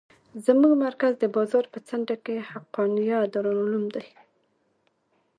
زموږ مرکز د بازار په څنډه کښې حقانيه دارالعلوم دى.